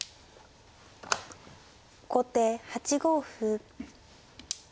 後手８五歩。